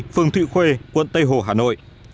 phường thụy khuê quận tây hồ hà nội